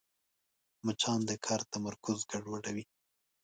مچان د کار تمرکز ګډوډوي